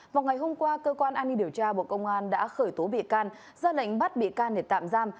vào ngày hôm qua cơ quan an ninh điều tra bộ công an đã khởi tố bị can ra lệnh bắt bị can để tạm giam